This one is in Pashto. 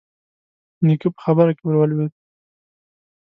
نيکه په خبره کې ور ولوېد: